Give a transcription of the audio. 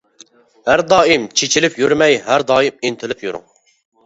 ھەر دائىم چېچىلىپ يۈرمەي، ھەر دائىم ئىنتىلىپ يۈرۈڭ.